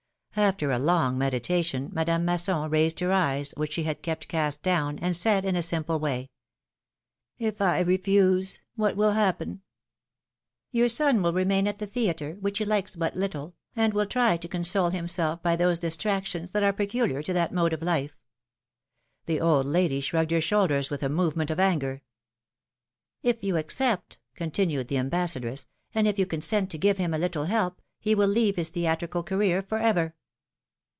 After a long meditation, Madame Masson raised her eyes, which she had kept cast down, and said, in a simple way; ^'If I refuse, what will happen?" Your son will remain at the theatre, which he likes but little, and will try to console himself by those dis tractions that are peculiar to that mode of life." The old lady shrugged her shoulders with a movement of anger. ^^If you accept,"' continued the ambassadress, ^^and if you consent to give him a little help, he will leave his theatrical career forever."